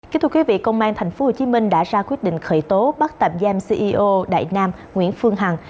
công an tp hcm đã ra quyết định khởi tố bắt tạm giam ceo đại nam nguyễn phương hằng